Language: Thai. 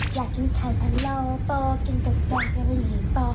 อยากกินไข่ทะเลาป่อกินกับกลางกับหลีป่อ